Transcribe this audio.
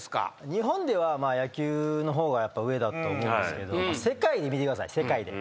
日本では野球の方が上だと思うんですけど世界で見てください世界で。